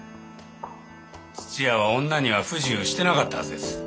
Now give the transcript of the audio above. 屋は女には不自由してなかったはずです。